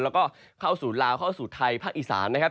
แล้วก็เข้าสู่ลาวเข้าสู่ไทยภาคอีสานนะครับ